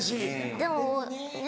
でもねっ。